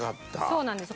そうなんです